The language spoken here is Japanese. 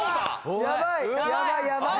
やばい！